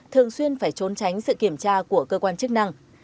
thường xuyên phải trốn tránh sự kiểm tra của cơ quan chức năng